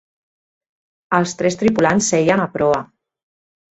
Els tres tripulants seien a proa.